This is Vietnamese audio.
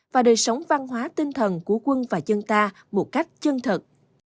và đời sống văn hóa tinh thần của quân và dân ta một cách chân thật